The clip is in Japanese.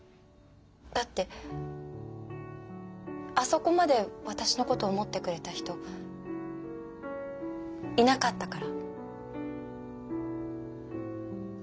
だってあそこまで私のこと思ってくれた人いなかったから。